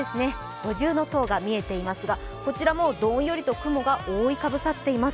五重搭が見えていますがこちらもどんよりと雲が覆い被さっています。